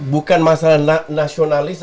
bukan masalah nasionalis